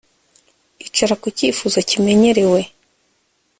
Icara ku cyifuzo kimenyerewe